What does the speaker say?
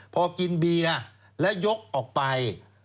พอกินเบียร์แล้วยกออกไป